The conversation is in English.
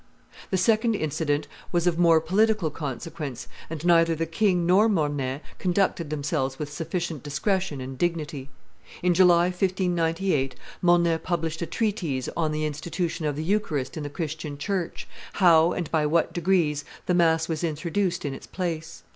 The second incident was of more political consequence, and neither the king nor Mornay conducted themselves with sufficient discretion and dignity. In July, 1598, Mornay published a treatise on the institution of the eucharist in the Christian church, how and by what degrees the mass was introduced in its place.